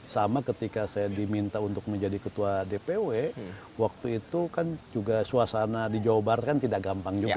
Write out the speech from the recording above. sama ketika saya diminta untuk menjadi ketua dpw waktu itu kan juga suasana di jawa barat kan tidak gampang juga